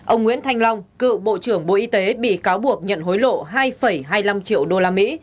ông nguyễn thanh long cựu bộ trưởng bộ y tế bị cáo buộc nhận hối lộ hai hai mươi năm triệu usd